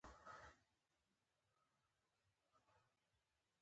مور د مینې، محبت او مهربانۍ یوه چینه ده.